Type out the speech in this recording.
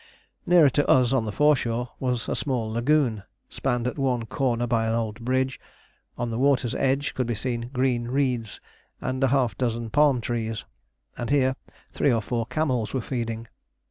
Nearer to us, on the foreshore, was a small lagoon, spanned at one corner by an old bridge: on the water's edge could be seen green reeds and half a dozen palm trees, and here three or four camels were feeding.